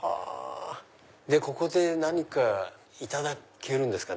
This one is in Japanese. ここで何かいただけるんですか？